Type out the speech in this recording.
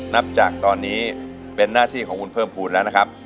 นับจากตอนนี้เป็นหน้าที่ของคุณเพิ่มภูมิแล้วนะครับ